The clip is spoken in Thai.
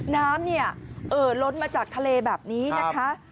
น้ำเนี่ยเอ่อล้นมาจากทะเลแบบนี้นะคะ